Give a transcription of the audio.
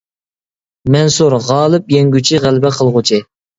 مەنسۇر : غالىب، يەڭگۈچى، غەلىبە قىلغۇچى.